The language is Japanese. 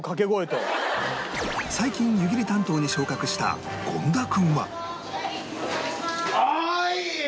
最近湯切り担当に昇格した権田君は